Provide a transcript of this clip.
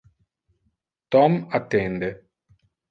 Tom attende.